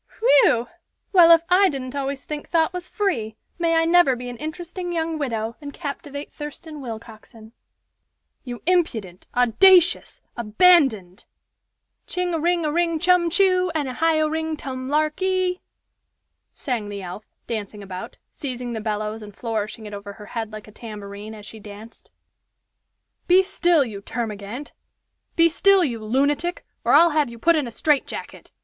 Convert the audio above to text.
"Whe ew! Well, if I didn't always think thought was free, may I never be an interesting young widow, and captivate Thurston Willcoxen." "You impudent, audacious, abandoned " "Ching a ring a ring chum choo! And a hio ring tum larky!" sang the elf, dancing about, seizing the bellows and flourishing it over her head like a tambourine, as she danced. "Be still, you termagant. Be still, you lunatic, or I'll have you put in a strait jacket!"